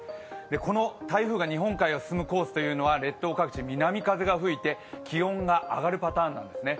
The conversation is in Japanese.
この台風が日本海を進むコースというのは、列島各地、南風が吹いて、気温が上がるパターンなんですね。